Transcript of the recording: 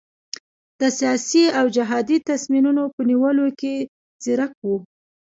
د سیاسي او جهادي تصمیمونو په نیولو کې ځیرک وو.